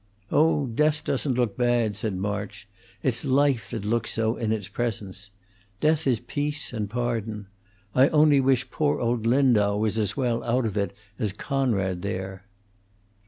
"Oh, death doesn't look bad," said March. "It's life that looks so in its presence. Death is peace and pardon. I only wish poor old Lindau was as well out of it as Conrad there."